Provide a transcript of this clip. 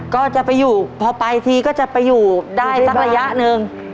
ก็จะไปอยู่พอไปทีก็จะไปอยู่ได้สักระยะหนึ่ง